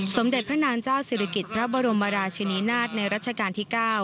สมเด็จพระนางเจ้าศิริกิจพระบรมราชินินาศในรัชกาลที่๙